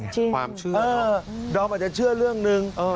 จริงค่ะเออดอมอาจจะเชื่อเรื่องหนึ่งเออ